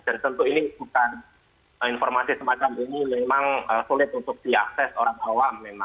dan tentu ini bukan informasi semacam ini memang sulit untuk diakses orang awam